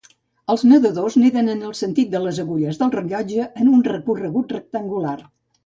Els nedadors neden en el sentit de les agulles del rellotge en un recorregut rectangular.